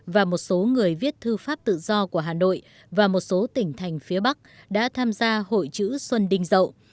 và một số người viết thư pháp tự do của hà nội và một số tỉnh thành phía bắc đã tham gia hội chữ xuân đinh dậu